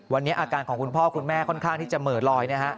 วันนี้อาการของคุณพ่อคุณแม่ค่อนข้างที่จะเหม่อลอยนะฮะ